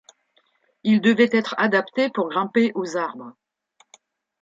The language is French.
Il devait être adapté pour grimper aux arbres.